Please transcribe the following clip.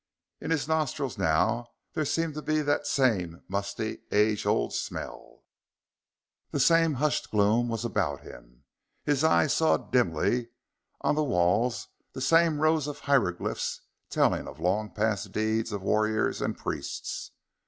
In his nostrils now there seemed to be that same, musty, age old smell; the same hushed gloom was about him; his eyes saw dimly on the walls the same rows of hieroglyphs telling of long past deeds of warriors and priests.